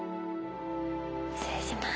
失礼します。